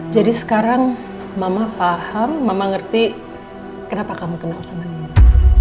jadi sekarang mama paham mama ngerti kenapa kamu kenal sama nino